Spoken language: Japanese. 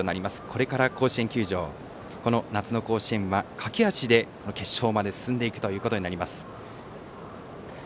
これから、甲子園球場この夏の甲子園は駆け足で決勝まで進んでいくということになります。